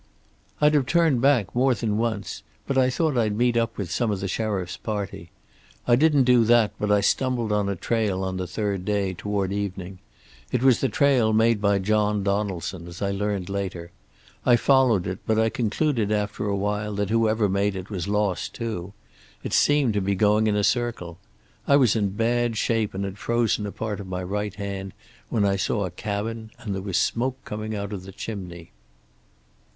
"I'd have turned back more than once, but I thought I'd meet up with some of the sheriff's party. I didn't do that, but I stumbled on a trail on the third day, toward evening. It was the trail made by John Donaldson, as I learned later. I followed it, but I concluded after a while that whoever made it was lost, too. It seemed to be going in a circle. I was in bad shape and had frozen a part of my right hand, when I saw a cabin, and there was smoke coming out of the chimney."